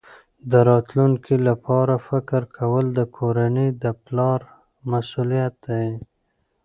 د راتلونکي لپاره فکر کول د کورنۍ د پلار مسؤلیت دی.